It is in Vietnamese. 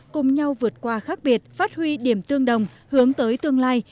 cùng nhau vượt qua khác biệt phát huy điểm tương đồng hướng tới tương lai